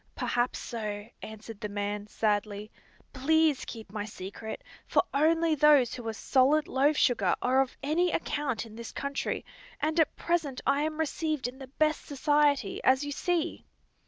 "Perhaps so," answered the man, sadly. "Please keep my secret, for only those who are solid loaf sugar are of any account in this country, and at present I am received in the best society, as you see."